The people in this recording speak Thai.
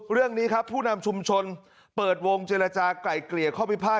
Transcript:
เรื่องนี้ครับผู้นำชุมชนเปิดวงเจรจากลายเกลี่ยข้อพิพาท